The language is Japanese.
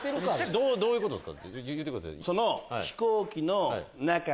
どういうことっすか？